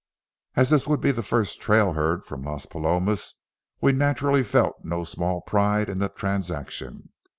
As this would be the first trail herd from Las Palomas, we naturally felt no small pride in the transaction.